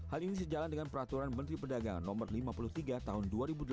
hal ini sejalan dengan peraturan menteri perdagangan no lima puluh tiga tahun dua ribu delapan belas